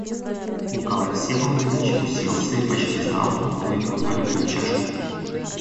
Николай Всеволодович уселся и почти залпом выпил налитую чашку.